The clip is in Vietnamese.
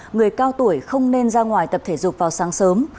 người cao tuổi không nên ra ngoài tập thể dục vào sáng sớm